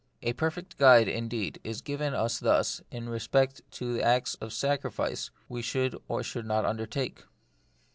A perfect guide, indeed, is given us thus in respect to the acts of sacrifice we should or should not undertake.